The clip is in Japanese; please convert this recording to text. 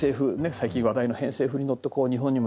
最近話題の偏西風に乗って日本にもやって来る。